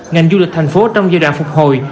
ngành du lịch tp hcm trong giai đoạn phục hồi